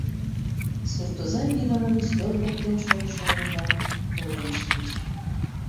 Суртоза вийдымын ӱстел воктен шогышо олымбак волен шинче.